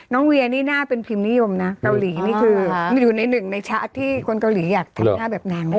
เวียนี่น่าเป็นพิมพ์นิยมนะเกาหลีนี่คืออยู่ในหนึ่งในชาร์จที่คนเกาหลีอยากทำหน้าแบบนางไหม